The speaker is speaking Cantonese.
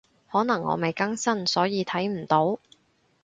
可能我未更新，所以睇唔到